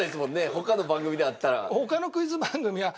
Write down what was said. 他の番組で会ったら。